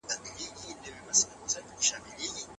که ړوند ډاکټر په ګڼ ځای کي اوږده کیسه وکړي، ټول به یې واوري.